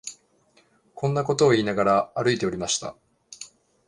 こんなことを言いながら、歩いておりました